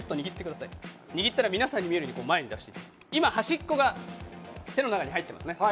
握ったら皆さんに見えるように前に出していただいて今、端っこが手の中に入ってますね。